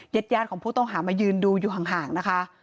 ญาติญาติของผู้ต้องหามายืนดูอยู่ห่างนะคะ